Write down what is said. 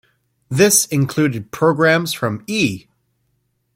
This included programs from E!